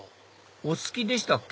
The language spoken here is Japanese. お好きでしたっけ？